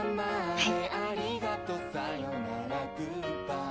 はい。